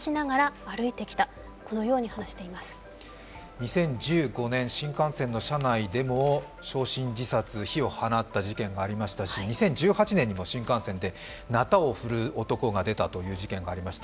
２０１５年、新幹線の車内でも焼身自殺火を放った事件がありましたし２０１８年にも新幹線でなたを振るう男が出たという事件がありました。